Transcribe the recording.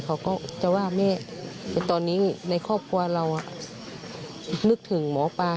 เขาก็จะว่าแม่ตอนนี้ในครอบครัวเรานึกถึงหมอปลา